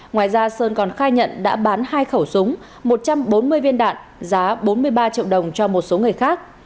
ngoài ra sơn còn khai nhận đã bán hai khẩu súng một trăm bốn mươi viên đạn giá bốn mươi ba triệu đồng cho một số người khác